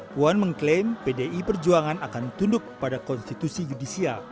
puan mengklaim pdi perjuangan akan tunduk pada konstitusi judisial